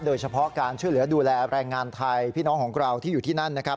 โดยเฉพาะการช่วยเหลือดูแลแรงงานไทยพี่น้องของเราที่อยู่ที่นั่นนะครับ